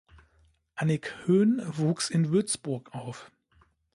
Annick Höhn wuchs in Würzburg auf.